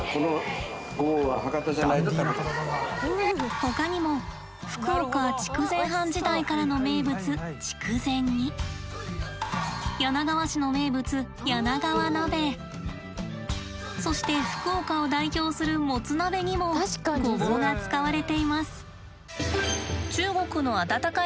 ほかにも福岡筑前藩時代からの名物柳川市の名物そして福岡を代表するもつ鍋にもごぼうが使われています。